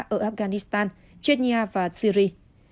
ở afghanistan chechnya và syria